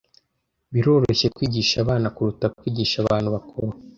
Biroroshye kwigisha abana kuruta kwigisha abantu bakuru.